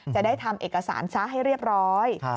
จะได้ทำเอกสารซะให้เรียบร้อย